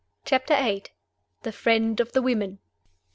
CHAPTER VIII. THE FRIEND OF THE WOMEN.